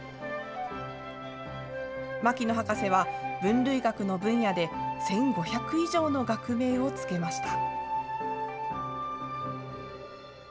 牧野博士は、分類学の分野で１５００以上の学名を付けました。